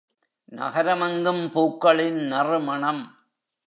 நகரம் எங்கும் பூக்களின் நறுமணம்.